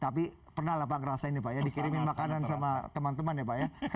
tapi pernah lah pak ngerasain nih pak ya dikirimin makanan sama teman teman ya pak ya